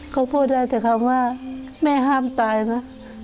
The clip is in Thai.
ป็อกได้แบบแม่ห้ามตายนะ